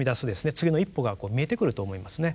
次の一歩が見えてくると思いますね。